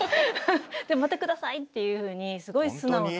「でもまた下さい」っていうふうにすごい素直な。